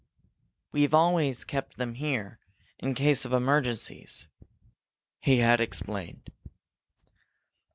"We've always kept them there in case of emergencies," he had explained.